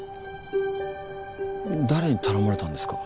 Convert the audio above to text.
誰に頼まれたんですか？